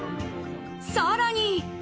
さらに。